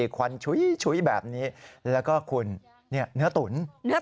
ควันชุยแบบนี้แล้วก็คุณเนื้อตุ๋น